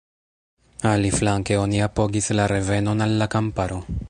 Aliflanke oni apogis “la revenon al la kamparo”.